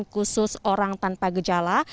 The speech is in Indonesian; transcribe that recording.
khusus orang tanpa gejala